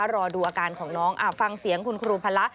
รอดูอาการของน้องฟังเสียงคุณครูพระ